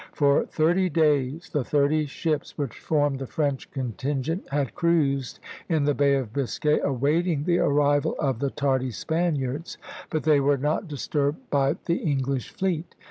For thirty days, the thirty ships which formed the French contingent had cruised in the Bay of Biscay, awaiting the arrival of the tardy Spaniards; but they were not disturbed by the English fleet.